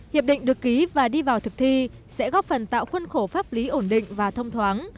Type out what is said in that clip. hiệp định được ký và đi vào thực thi sẽ góp phần tạo khuân khổ pháp lý ổn định và thông thoáng